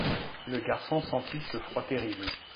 Le garçon sentit ce froid terrible.